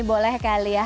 boleh kali ya